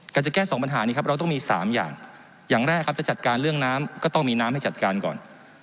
จะแก้สองปัญหานี้ครับเราต้องมี๓อย่างอย่างแรกครับจะจัดการเรื่องน้ำก็ต้องมีน้ำให้จัดการก่อน